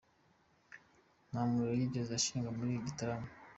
Nta mulimo yigeze ashingwa muri Gitarama.